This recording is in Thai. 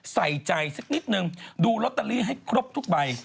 ใส่ใจสักนิดนึงดูลอตเตอรี่ให้ครบทุกใบ